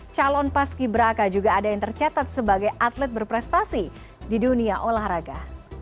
calon paski beraka juga ada yang tercatat sebagai atlet berprestasi di dunia olahraga